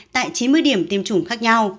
tại chín mươi điểm tiêm chủng khác nhau